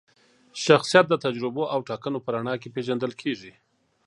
شخصیت د تجربو او ټاکنو په رڼا کي پیژندل کیږي.